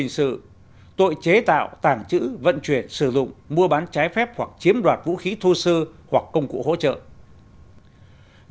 người nào chế tạo tàng trữ vận chuyển sử dụng mua bán trái phép hoặc chiếm đoạt vũ khí thu sơ hoặc công cụ hỗ trợ thì bị phạt tù từ một năm đến bảy năm